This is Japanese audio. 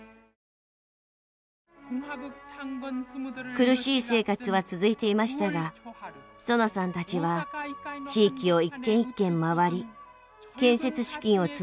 苦しい生活は続いていましたがソナさんたちは地域を一軒一軒回り建設資金を募りました。